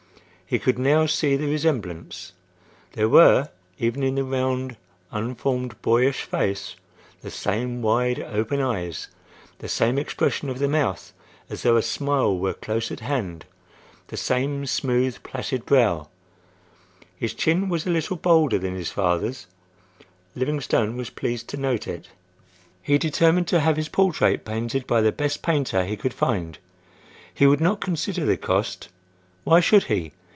He could now see the resemblance. There were, even in the round, unformed, boyish face, the same wide open eyes; the same expression of the mouth, as though a smile were close at hand; the same smooth, placid brow. His chin was a little bolder than his father's. Livingstone was pleased to note it. He determined to have his portrait painted by the best painter he could find. He would not consider the cost. Why should he?